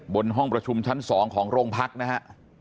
บนห้องประชุมชั้น๒ของโรงพักนะฮะ